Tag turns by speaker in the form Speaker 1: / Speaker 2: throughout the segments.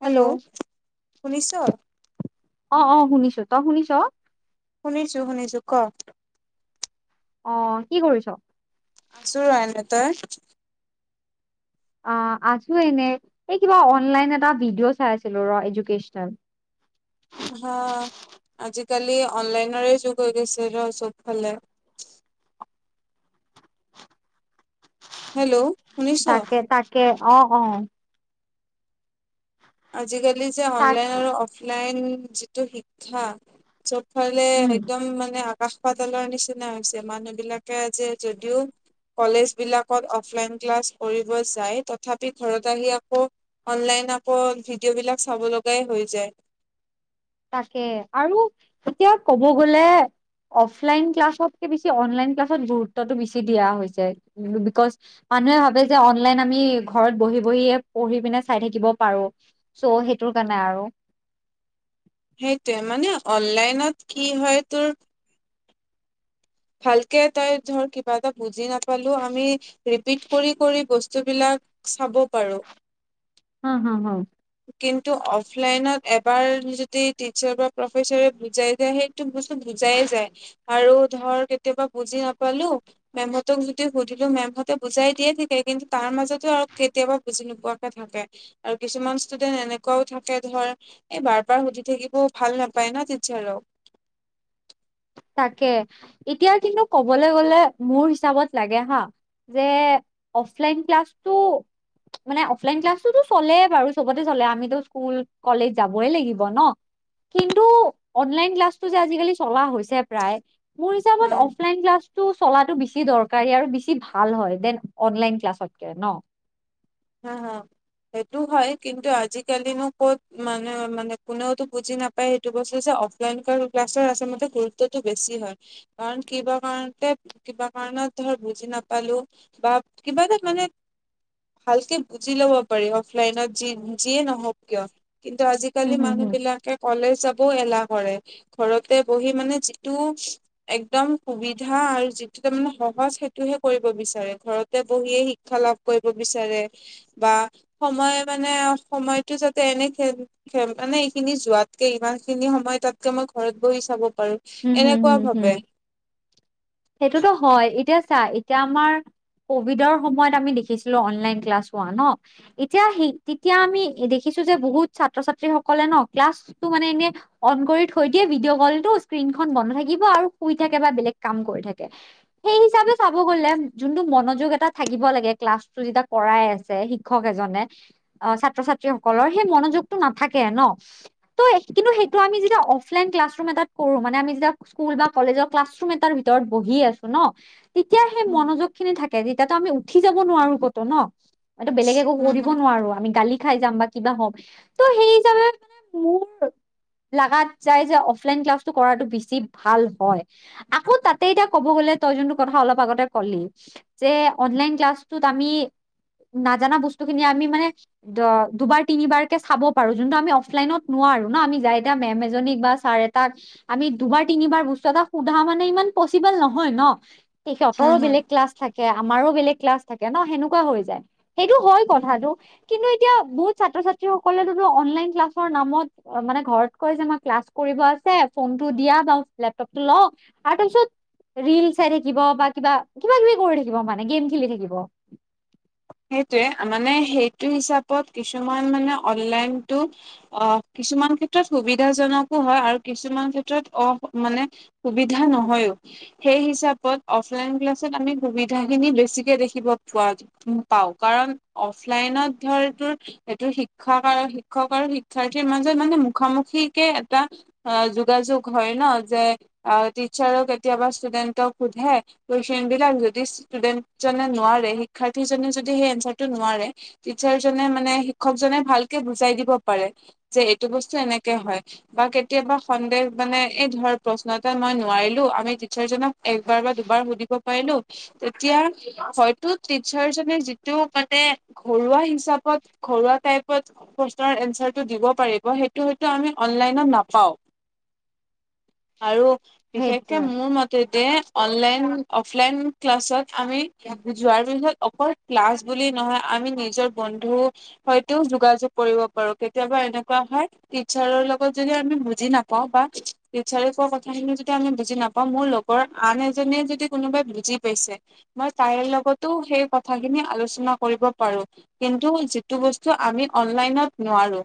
Speaker 1: Hello শুনিছ
Speaker 2: অ অ শুনিছো তই শুনিছ
Speaker 1: শুনিছো শুনিছো ক
Speaker 2: অ কি কৰিছ
Speaker 1: আচো এনেই তই
Speaker 2: অ আছো এনে এই কিবা অনলাইন এটা ভিডিঅ' চাই আছিলো ৰ এডুকেচনেল
Speaker 1: হা আজিকালি অনলাইনৰে যুগ হৈ গৈছে ৰ চব ফালে হেল্ল' শুনিছ?
Speaker 2: তাকে তাকে অ অ
Speaker 1: আজিকালি যে
Speaker 2: তাক
Speaker 1: অনলাইন আৰু অফলাইন যিটো শিক্ষা চবফালে
Speaker 2: উম
Speaker 1: একদম মানে আকাশ পাতালৰ নিচিনা হৈছে মানুহ বিলাকে যে যদিও কলেজ বিলাকত অফলাইন ক্লাছ কৰিব যায় তথাপি ঘৰত আহি আকৌ অনলাইন আকৌ ভিডিঅ' বিলাক চাব লগাই হৈ যায়
Speaker 2: তাকে আৰু এতিয়া কব গ'লে অফলাইন ক্লাছতকে বেছি অনলাইন ক্লাছত গুৰুত্বটো বেছি দিয়া হৈছে বিকজ মানুহে ভাবে যে অনলাইন আমি ঘৰত বহি বহিয়ে পঢ়ি পিনে চাই থাকিব পাৰো চ' সেইটোৰ কাৰণে আৰু
Speaker 1: সেইটোৱে মানে অনলাইনত কি হয় তোৰ ভালকে তই ধৰ কিবা এটা বুজি নাপালো আমি ৰিপিট কৰি কৰি বস্তুবিলাক চাব পাৰো
Speaker 2: অ হা হ
Speaker 1: কিন্তু অফলাইনত এবাৰ যদি টিচাৰ বা প্ৰফেচৰে বুজাই যায় সেই বস্তু বুজাই যায় আৰু ধৰ কেতিয়াবা বুজি নাপালো মেমহতক যদি সুধিলো মেমহঁতে বুজাই দিয়ে থিকে কিন্তু তাৰ মাজতও আৰু কেতিয়াবা বুজি নোপোৱাকে থাকে আৰু কিছুমান ষ্টুডেন্ট এনেকুৱাও থাকে ধৰ এই বাৰ বাৰ সুধি থাকিব ভাল নাপায় ন টিচাৰো
Speaker 2: তাকে এতিয়া কিন্তু কবলৈ গলে মোৰ হিচাপত লাগে হা যে অফলাইন ক্লাছটো মানে অফলাইন ক্লাছতো চলে বাৰু চবতে চলে আমিতো স্কুল কলেজ যাবই লাগিব ন কিন্তু অনলাইন ক্লাছটো যে আজিকালি চলা হৈছে প্ৰায় মোৰ হিচাপত
Speaker 1: উম
Speaker 2: অফলাইন ক্লাছ ত 'চলাটো বেছি দৰকাৰী আৰু বেছি ভাল হয় ডেন অনলাইন ক্লাছতকে ন
Speaker 1: হ হ সেইটো হয় কিন্তু আজিকালিনো ক'ত মানে মানে কোনেওতো বুজি নাপ এইটো বস্তু যে অফলাইন ক্লাছৰ আছে মতে গুৰুত্বতটো বেছি হয় কাৰণ কিবা কাৰণতে কিবা কাৰণত ধৰ বুজি নাপালো বা কিবা এটাত মানে ভালকে বুজি ল'ব পাৰি অফলাইনত যি যিয়ে নহওক কিয় কিন্তু আজি
Speaker 2: উম,
Speaker 1: কালি
Speaker 2: হুম,
Speaker 1: মানুহ
Speaker 2: হুম,
Speaker 1: বিলাকে কলেজ যাবও এলাহ কৰে ঘৰতে বহি মানে যিটো একদম সুবিধা আৰু যিটো তাৰ মানে সহজ সেইটোহে কৰিব বিচাৰে ঘৰতে বহিয়ে শি ক্ষা লাভ কৰিব বিচাৰে বা সময় মানে সময়তো যাতে এনেই খেল খেল মানে এইখিনি যোৱাতকে ইমান খিনি সময় তাতকে মই ঘৰত বহি চাব পাৰো
Speaker 2: উম হম
Speaker 1: এনেকুৱা
Speaker 2: হম হম
Speaker 1: ভাবে
Speaker 2: সেইটোতো হয় এতিয়া চা এতিয়া আমাৰ কভিডৰ সময়ত আমি দেখিছিলো অনলাইন ক্লাছ হোৱা ন এতিয়া সেই তেতিয়া আমি দেখিছো যে বহুত ছাত্ৰ ছাত্ৰী সকলে ন ক্লাছটো মানে এনে অন কৰি থৈ দিয়ে ভিডিঅ' কলটো স্ক্ৰীনখন বন্ধ থাকিব আৰু শুই থাকে বা বেলেগ কাম কৰি থাকে সেই হিচাপে চাব গলে যোনটো মনোযোগ এটা থাকিব লাগে ক্লাছটো যেতিয়া কৰাই আছে শিক্ষক এজনে অ ছাত্ৰ ছাত্ৰীসকলৰ সেই মনোযোগটো নাথাকে ন ত' কিন্তু সেইটো আমি যেতিয়া অফলাইন ক্লাছৰুম এটাত কৰো মানে আমি যেতিয়া স্কুল বা কলেজৰ ক্লাছ ৰুম এটাৰ ভিতৰত বহি আছো ন তেতিয়া সেই
Speaker 1: উম,
Speaker 2: মনযোগ খিনি থাকে তেতিয়াতো আমি উঠি যাব নোৱাৰো ক'তো ন এইটো বেলেগে একো
Speaker 1: হম,
Speaker 2: কৰিব নোৱাৰো আমি গালি খাই যাম বা কিবা হম ত সেই হিচাপে মানে মোৰ লগাত যায় যে অফলাইন ক্লা ছটো কৰাতো বেছি ভাল হয়। আকৌ তাতে এতিয়া কব গ'লে তই যোনটো কথা অলপ আগতে ক'লি যে অনলাইন ক্লাছটোত আমি নাজানা বস্তু খিনি আমি মানে দুবাৰ তিনিবাৰ কে চাব পাৰো যোনটো আমি অফলাইনত নোৱাৰ আৰু ন আমি যাই এতিয়া মেম এজনীক বা ছাৰ এ টাক আমি দুবাৰ তিনিবাৰ বস্তু এটা সোধা মানে ইমান পচিবল নহয় ন সিহঁতৰো
Speaker 1: হম, হম,
Speaker 2: বেলেগ ক্লাছ থাকে আমাৰো বেলেগ ক্লাছ থাকে ন সেনেকোৱা হৈ যায় সেইটো হয়
Speaker 1: হম।
Speaker 2: কথাটো কিন্তু এতিয়া বহুত ছাত্ৰ ছাত্ৰীসকলেতো অনলাইন ক্লাছৰ নামত অ মানে ঘৰত কয় যে মই ক্লাছ কৰিব আছে ফোনটো দিয়া বাও লেপটপটো লও আৰু তাৰপিছত ৰিল চাই থাকিব বা কিবা কিবা কিবি কৰি থাকিব মানে গেম খেলি থাকিব।
Speaker 1: সেইটোয়ে মানে সেইটো হিচাপত কিছুমান মানে অনলাইনতো অ কিছুমান ক্ষেত্ৰত সুবিধাজনকো হয় আৰু কিছুমান ক্ষেত্ৰত অ মানে সুবিধা নহয়ো সেই হিচাপত অফলাইন ক্লাছত আমি সুবিধা খিনি বেছিকে দেখিব পোৱা যায় উম পাও কাৰণ অফলাইনত ধৰ তোৰ এইটো শিক্ষা আৰু শিক্ষক আৰু শিক্ষাৰ্থীৰ মাজত মানে মুখামুখিকে এটা অ যোগাযোগ হয় ন যে টিচাৰক কেতিয়াবা ষ্টুডেন্টক সোধে কোৱেচন বিলাক যদি ষ্টুডেন্ট জনে নোৱাৰে শিক্ষাৰ্থীজনে য সেই এনছাটো নোৱাৰে টিচাৰজনে মানে শিক্ষকজনে ভালকে বুজাই দিব পাৰে। যে এইটো বস্তু এনেকে হয় বা কেতিয়াবা সন্দেহ মানে এই ধৰ প্ৰশ্ন এটা মই নোৱাৰিলো আমি টিচাৰজনক একবাৰ বা দুবাৰ সুধিব পাৰিলো তেতিয়া হয়তো টিচাৰজনে যে টো মানে ঘৰুৱা হিচাপত ঘৰুৱা টাইপত কোৱেছন এনচাৰটো দিব পাৰিব সেইটো হয়তো আমি অনলাইনত নাপাও আৰু বিশেষকে
Speaker 2: সেইটোৱে
Speaker 1: মোৰ মতে যে অনলাইন অফলাইন ক্লাছত আমি যোৱাৰ পিছত অকল ক্লাছ বুলি নহয় আমি নিজৰ বন্ধু হয়তো যোগাযোগ কৰিব পাৰো কেতিয়াবা এনেকোৱা হয় টিচাৰৰ লগত যদি আমি বুজি নাপাওঁ বা টিচাৰ কোৱা কথাখিনি যদি আমি বুজি নাপাওঁ মোৰ লগত বৰ আন এজনে যদি কোনোবাই বুজি পাইছে মই তাইৰ লগতো সেই কথা। কথাখিনি আলোচনা কৰিব পাৰো কিন্তু যিটো বস্তু আমি অনলাইনত নোৱাৰো।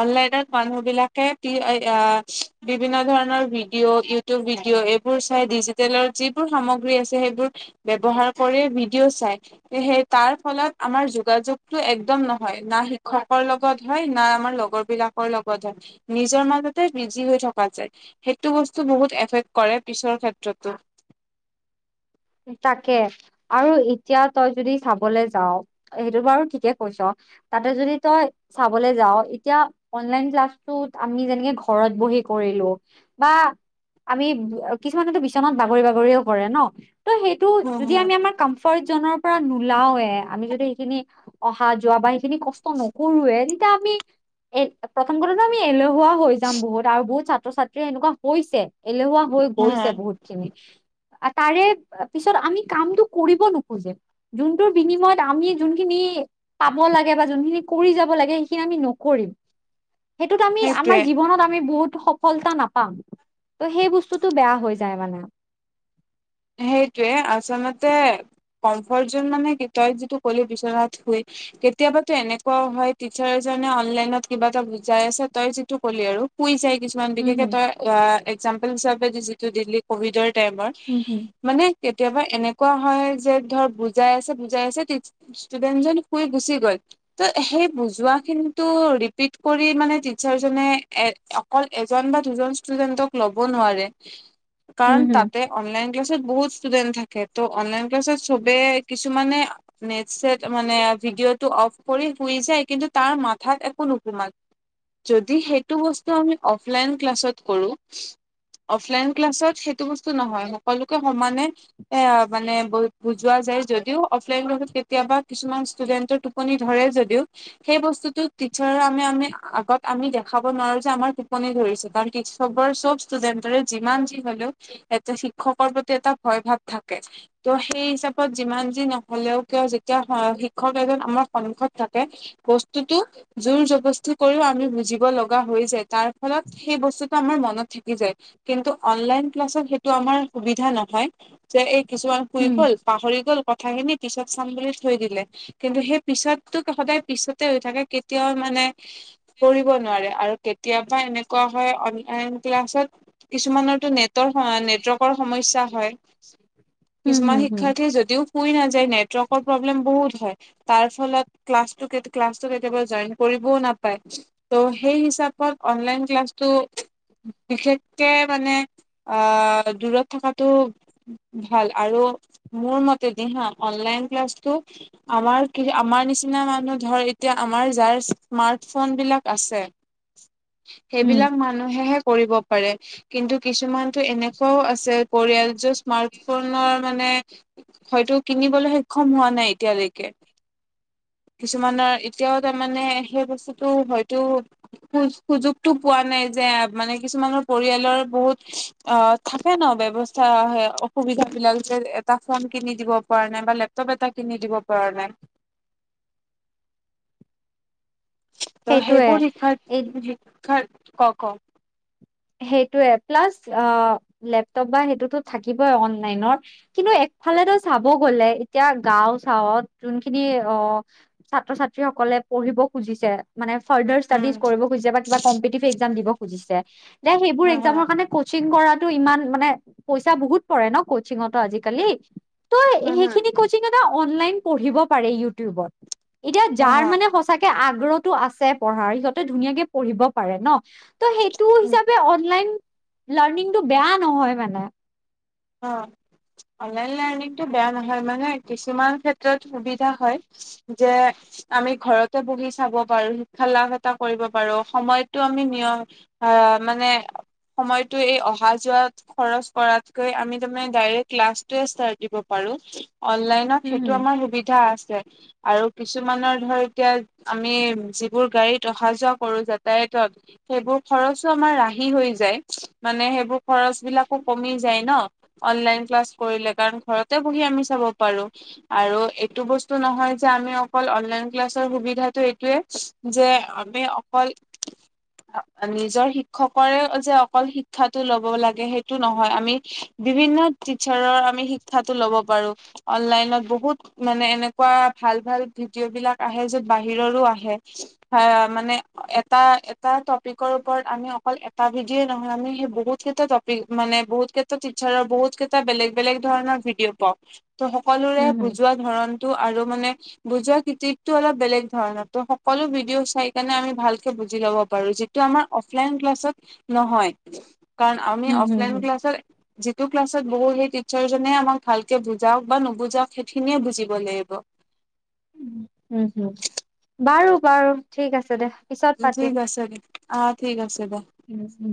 Speaker 1: অনলাইনত মানুহ বিলাকে [unintelligible] বিভিন্ন ধৰণৰ ভিডিঅ' ভিডিঅ' এইবোৰ চাই ডিজিটেলৰ যিবোৰ সামগ্ৰী আছে সেইবোৰ। ব্যৱহাৰ কৰি ভিডিঅ' চাই। সেই তাৰ ফলত আমাৰ যোগাযোগতো একদম নহয় না শিক্ষকৰ লগত হয় না আমাৰ লগৰ বিলাকৰ লগত হয় নিজৰ মাজতে বিজি হৈ থকা যায়। সেইটো বস্তু বহুত এফেক্ট কৰে পিছৰ ক্ষেত্ৰতো।
Speaker 2: তাকে আৰু এতিয়া তই যদি চাবলৈ যাও সেইটো বাৰু ঠিকে কৈছ। তাতে যদি তই। চাবলৈ যাওঁ এতিয়া অনলাইন ক্লাছটোত আমি যেনেকে ঘৰত বহি কৰিলো। বা আমি কিছুমানেতো বিচনাত বাগৰি বাগৰিও কৰে ন। ত' সেইটো
Speaker 1: হম
Speaker 2: যদি
Speaker 1: হম
Speaker 2: আমি আমাৰ কমফৰ্ট জনৰ নোলাওৱে আমি যদি সেইখিনি অহা যোৱাাবাহি খিনি কষ্ট নকৰোৱে তেতিয়া আমি এ প্ৰথম কথাাতটো আমি এলেহুৱা হৈ যাম বহুত আৰু বহুত ছাত্ৰ ছাত্ৰীয়ে এনেকুৱা হৈছে এলেহুৱা। গৈছে
Speaker 1: হা
Speaker 2: বহুত খিনি তাৰে পিছত আমি কামতটো কৰিব নোখোজে। যোনটোৰ বিনিময়ত আমি যোন খিনি। পাব লাগে বা যোনখিনি কৰি যাব লাগে সেইখিনি আমি নকৰিম। সেইটোত আমি আমাৰ
Speaker 1: সেইটোৱে
Speaker 2: জীৱনত আমি বহুত ফলতা নাপাম ত' সেই বস্তুতটো বেয়া হৈ যায় মানে।
Speaker 1: সেইটোৱে আচলতে কমফৰ্ট জন মানে তই যিটো কলি বিচনাত শুই। কেতিয়াবাতো এনেকুৱও হয় টিচাৰ জনে অনলাইনত কিবা এটা বুজাই আছে তই যিটো ক'লি আৰু কুই যাই। কিছুমান
Speaker 2: উম
Speaker 1: বিশেষে
Speaker 2: হম
Speaker 1: তই একজাম্পল হিচাপে যিটো দিল্লী কভিডৰ টাইমৰ।
Speaker 2: উম হুম।
Speaker 1: মানে কেতিয়াবা এনেকুৱা হয় যে ধৰ। ষ্টুডেণ্টজন শুই গুচি গ'ল। ত সেই বুজোৱা খিনি টো ৰিপিট কৰি মানে টিচাৰ জনে [unintelligible] অকল এজন বা দুজন ষ্টুডেন্টক ল'ব নোৱাৰে।
Speaker 2: [unintelligible]
Speaker 1: কাৰণ তাতে অনলাইন ক্লাছত বহুত ষ্টুডেন্ট থাকে ত' অনলাইন ক্লাছত চবে কিছুমানে। নেট ছেট মানে ভিডিঅ' টো অফ কৰি শুই যায় কিন্তু তাৰ মাথাত একো নুসোমালে। যদি সেইটো বস্তু আমি অফলাইন ক্লাছত কৰোঁ। অফলাইন ক্লাছত সেইটো বস্তু নহয় সকলোকে সমানে। এ মানে ব বুজোৱা যায় যদিও অফলাইন ক্লাছত কেতিয়াবা কিছুমান ষ্টুে টোপনি ধৰে যদিও। সেই বস্তুতো টিচাৰ আমি আমি আগত আমি দেখাব নোৱাৰো যে আমাৰ টোপনি ধৰিছে কাৰ চবৰে চব ষ্টুডেন্টৰে যিমান যি হলেও এটা শিক্ষকৰ প্ৰতি এটা ভয় ভাৱ থাকে। ত' সেই হিচাপত যিমান যি নহলেও কিয় যেতিয়া শিক্ষক এজন আমাৰ সন্মুখত থাকে। বস্তুতটো। জোৰ জবস্তি কৰিও আমি বুজিব লগা হৈ যায় তাৰ ফলত সেই বস্তুটো আমাৰ মনত থাকি যায়। কিন্তু অনলাইন ক্লাছত সেইটো আমাৰ সুবিধা নহয় যে এই কিছুমান শুই
Speaker 2: উম
Speaker 1: গ'ল পাহৰি গল কথাখিনি পিছত চাম বুলি থৈ দিলে। কিন্তু সেই পিছততোক সদায় পিছতে হৈ থাকে কেতিয়াও মানে কৰিব নোৱাৰে আৰু কেতিয়াবা এনেকুৱা হয় অনলাইন ক্লাছত কিছুমানতো নেটৰ নেটৱৰ্কৰ সমস্যা হয়
Speaker 2: হম
Speaker 1: কিছুমান
Speaker 2: হম হম
Speaker 1: শিক্ষাৰ্থী যদিও শুই নাযায় নেটৱৰ্কৰ প্ৰব্লেম বহুত হয় তাৰ ফলত ক্লাছ ক্লাছটো কেতিয়াবা জইন কৰিবও নাপায় ত' সেই হিচাপত অনলাইন ক্লাছটো বিশেষকে মানে আহ দূৰত থকাটো ভাল আৰু মোৰ মতে দি হা অনলাইন ক্লাছটো আমাৰ কি আমাৰ নিচিনা মানুহ ধৰ এতিয়া আমাৰ যাৰ স্মাৰ্ট ফোন বিলাক আছে
Speaker 2: [unintelligible] হম
Speaker 1: সেইবিলাক মানুহেহে কৰিব পাৰে কিন্তু কিছুমান টো এনেকোৱাও আছে পৰিয়াল জাষ্ট স্মাৰ্ট ফোনৰ মানে হয়তো কিনিবলৈ সক্ষম হোৱা নাই এতিয়ালৈকে কিছুমানৰ এতিয়াও তাৰমানে সেই বস্তুটো হয়তো সু সুযোগটো পোৱা নাই যে মানে কিছুমানৰ পৰিয়ালৰ বহুত অ থাকে ন ব্যৱস্থা সেয়া অসুবিধা বিলাক যে এটা ফৰ্ম কিনি দিব পৰা নাই বা লেপ টব এটা কিনি দিব পৰা নাই ত
Speaker 2: সেইটোয়ে
Speaker 1: সেইবোৰ শিক্ষাৰ্
Speaker 2: এই
Speaker 1: শিক্ষাৰ কক কক
Speaker 2: সেইটোয়ে প্লাছ অ লেপটপ বা সেইটোতো থাকিবই অনলাইনৰ কিন্তু একফালেতো চাব গলে এতিয়া গাওঁ চাওঁত যোনখিনি অ ছাত্ৰ ছাত্ৰী সকলে পঢ়িব খুজিছে মানে ফাৰ্দাৰ
Speaker 1: উম
Speaker 2: ষ্টাডিজ কৰিব খুজিছে বা কিবা কম্পিটিভ এক্সাম দিব খুজিছে
Speaker 1: হ
Speaker 2: সেইবোৰ
Speaker 1: হ
Speaker 2: একজামৰ কাৰণে কচিং কৰাটো ইমান মানে পইচা বহুত পৰে ন কচিঙতো আজিকালি তই
Speaker 1: হ
Speaker 2: সেইখিনি কচিংতে অনলাইন পঢ়িব পাৰে ইউটিউবত এতিয়া
Speaker 1: হ
Speaker 2: যাৰ
Speaker 1: হ
Speaker 2: মানে সঁচা কে আগ্ৰহটো আছে পঢ়াৰ সিহঁতে ধুনীয়াকে পঢ়িব পাৰে ন ত সেইটো হিচাপে অনলাইন লাৰ্ণিং টো বেয়া নহয় মানে
Speaker 1: অ অনলাইন লাৰ্ণিংটো বেয়া নহয় মানে কিছুমান ক্ষেত্ৰত সুবিধা হয় যে আমি ঘৰতে বহি চাব পাৰো শিক্ষা লাভ এটা কৰিব পাৰো সময়তো আমি নিয়ম অ মানে সময়টো এই অহা যোৱাত খৰচ কৰাত কৈ আমি তাৰমানে ডাইৰেক্ট ক্লাবটোৱে ষ্টাৰ্ছ দিব পাৰো অনলাইন ন
Speaker 2: হম
Speaker 1: সেইটো আমাৰ সুবিধা আছে আৰু কিছুমানৰ ধৰ এতিয়া আমি যিবোৰ গাড়ীত অহা যোৱা কৰো যাতায়ত সেইবোৰ খৰচো আমাৰ ৰাহি হৈ যায় মানে সেইবোৰ খৰচ বিলাকো কমি যায় ন‌ অনলাইন ক্লাছ কৰিলে কাৰণ ঘৰতে বহি আমি চাব পাৰো আৰু এইটো বস্তু নহয় যে আমি অকল অনলাইন ক্লাছৰ সুবিধাটো এইটোয়ে যে আমি অকল
Speaker 2: [inaudible]
Speaker 1: নিজৰ শিক্ষকৰে যে অকল শিক্ষাটো লব লাগে সেইটো নহয় আমি বিভিন্ন টিচাৰৰ আমি শিক্ষাটো লব পাৰো। অনলাইনত বহুত মানে এনে কোৱা ভাল ভাল ভিডিঅ' বিলাক আহে য'ত বাহিৰৰো আহে। হা মানে এটা এটা টপিকৰ ওপৰত আমি অকল এটা ভিডিঅ নহয় আমি সেই বহুত কেইটা টপ পিক মানে বহুত কেই টা টিচাৰৰ বহুত কেইটা বেলেগ বেলেগ ধৰণৰ ভিডিঅ' পাওঁ ত' সকলোৰে
Speaker 2: হম হম
Speaker 1: বুজোৱা ধৰণ টো আৰু মানে বুজোৱা কৃতিকতো অলপ বেলেগ ধৰণৰ, ত' সকলো ভিডিঅ' চাই কেনে আমি ভালকে বুজি ল'ব পাৰ। টো আমাৰ অফলাইন ক্লাছত নহয়, কাৰণ আমি
Speaker 2: হম হম
Speaker 1: অফলাইন
Speaker 2: হম
Speaker 1: ক্লাছত যিটো ক্লাছত বহো, সেই টিচাৰজনে আমাক ভালকে বুজাওক বা নুবুজাওক সেইখিনিয়ে বুজিব লাগিব।
Speaker 2: হম উম হুম, বাৰু বাৰু ঠিক আছে দে। পিছত
Speaker 1: উম,
Speaker 2: পাতিম
Speaker 1: ঠিক আছে, অঁ ঠিক আছে দে।
Speaker 2: য়েছ উম